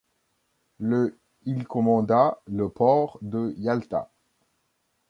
Le il commanda le port de Yalta.